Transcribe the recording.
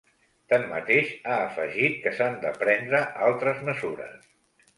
Tanmateix, ha afegit que s’han de prendre altres mesures.